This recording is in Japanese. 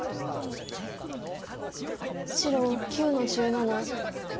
白９の十七。